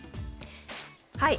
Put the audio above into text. はい。